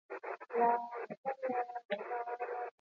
Eskolako maisu izan zen, besteak beste.